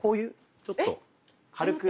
ちょっと軽く。